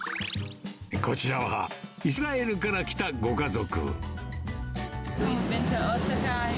こちらは、イスラエルから来たご家族。